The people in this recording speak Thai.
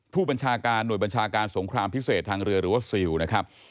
ผู้บัญชาการหน่วยบัญชาการสงครามพิเศษทางเรือหรือว่าซิลนะครับ